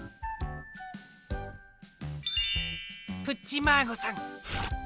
プッチマーゴさん